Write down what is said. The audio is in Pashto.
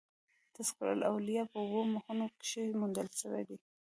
تذکرة الاولیاء" په اوو مخونو کښي موندل سوى دئ.